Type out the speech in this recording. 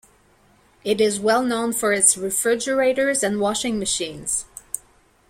It is well known for its refrigerators and washing machines.